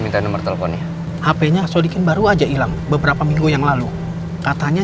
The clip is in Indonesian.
minta nomor teleponnya hp nya sodikin baru aja hilang beberapa minggu yang lalu katanya